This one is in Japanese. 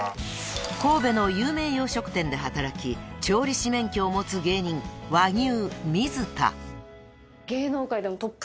［神戸の有名洋食店で働き調理師免許を持つ芸人和牛水田］